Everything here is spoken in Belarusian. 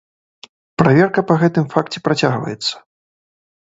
Праверка па гэтым факце працягваецца.